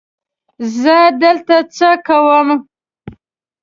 زه دلته څه کوم؟